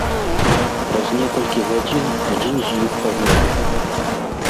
Праз некалькі гадзін адзін з іх памёр.